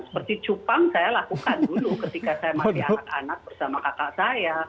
seperti cupang saya lakukan dulu ketika saya masih anak anak bersama kakak saya